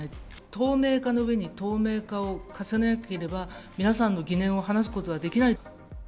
透明化の上に透明化を重ねなければ、皆さんの疑念を晴らすことはできない。